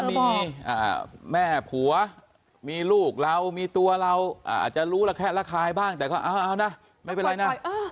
มีแม่ผัวมีลูกเรามีตัวเราอาจจะรู้ระแคะระคายบ้างแต่ก็เอานะไม่เป็นไรนะ